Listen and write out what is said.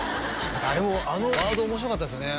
あれもあのワード面白かったですよね